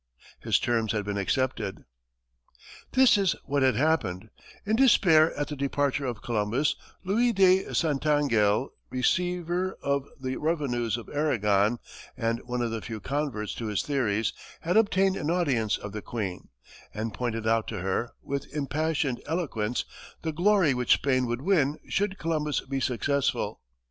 His terms had been accepted. This is what had happened: In despair at the departure of Columbus, Luis de Santangel, receiver of the revenues of Aragon, and one of the few converts to his theories, had obtained an audience of the queen, and pointed out to her, with impassioned eloquence, the glory which Spain would win should Columbus be successful.